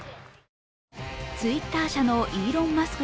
Ｔｗｉｔｔｅｒ社のイーロン・マスク